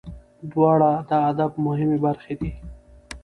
دواړه د ادب مهمې برخې دي.